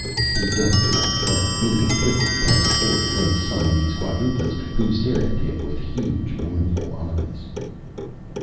He ducked around her, moving quickly past four linked Siamese quadruplets who stared at him with huge mournful eyes.